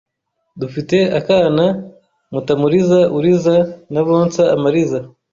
Dufite akana Mutamuriza Uriza n'abonsa amariza